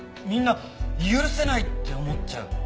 みんな「許せない！」って思っちゃう。